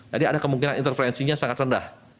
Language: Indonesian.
jadi ada kemungkinan interferensinya sangat rendah